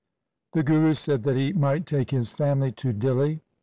The Guru said that he might take his family to Dihli.